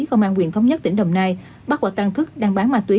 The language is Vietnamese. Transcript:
công an huyện thống nhất tỉnh đồng nai bắt quả tăng thức đang bán ma túy